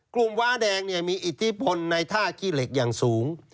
กลุ่มว้าแดงเนี่ยมีอิทธิบลในท่าขี้เหล็กอย่างสูง